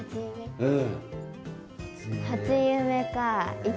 うん。